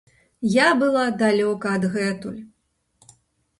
Я была далёка адгэтуль.